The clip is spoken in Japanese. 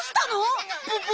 ププ！